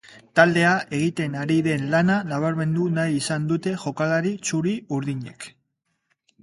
Taldea egiten ari den lana nabarmendu nahi izan dute jokalari txuri-urdinek.